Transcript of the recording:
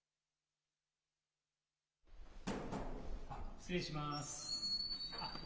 失礼します。